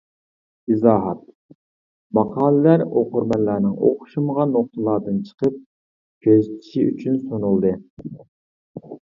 ئىزاھات: ماقالىلەر ئوقۇرمەنلەرنىڭ ئوخشىمىغان نۇقتىلاردىن چىقىپ كۆزىتىشى ئۈچۈن سۇنۇلدى.